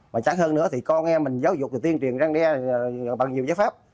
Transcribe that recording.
mà chẳng hơn nữa thì con em mình giáo dục thì tuyên truyền răng đe bằng nhiều giới pháp